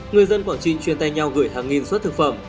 người dân quảng trị chuyên tay nhau gửi hàng nghìn suất thực phẩm